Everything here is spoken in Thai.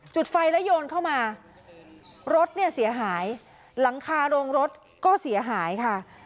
จุดไฟแล้วโยนเข้ามารถเนี่ยเสียหายหลังคาโรงรถก็เสียหายค่ะ